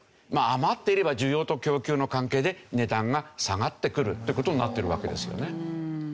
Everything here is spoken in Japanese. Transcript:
まあ余っていれば需要と供給の関係で値段が下がってくるって事になってるわけですよね。